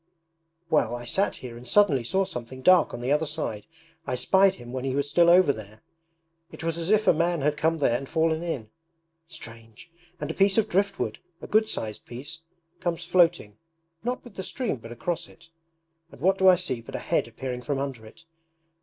'Well, I sat here and suddenly saw something dark on the other side. I spied him when he was still over there. It was as if a man had come there and fallen in. Strange! And a piece of driftwood, a good sized piece, comes floating, not with the stream but across it; and what do I see but a head appearing from under it!